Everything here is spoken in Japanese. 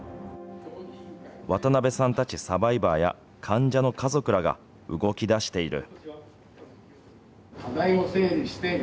渡邉さんたちサバイバーや患者の家族らが動きだしている。